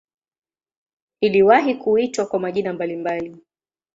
Iliwahi kuitwa kwa majina mbalimbali.